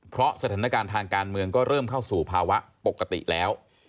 เพราะสถานการณ์ทางการเมืองก็เริ่มเข้าสู่ภาวะปกติแล้ว